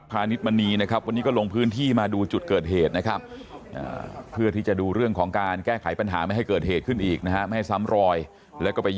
ไม่มีเลยมืดมากใช่มืดใช่นะมืดมืดหมดเลย